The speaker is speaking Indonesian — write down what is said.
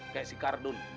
kayak si kartun